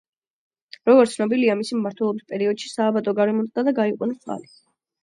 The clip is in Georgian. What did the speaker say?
როგორც ცნობილია, მისი მმართველობის პერიოდში სააბატო გარემონტდა და გაიყვანეს წყალი.